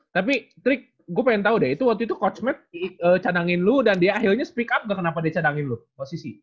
tapi trik gue pengen tahu deh itu waktu itu coach mat cadangin lu dan dia akhirnya speak up kenapa dia cadangin lu posisi